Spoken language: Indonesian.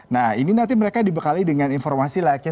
nah ini nanti mereka dibekali dengan informasi layaknya